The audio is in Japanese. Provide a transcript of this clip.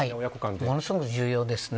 ものすごく重要です。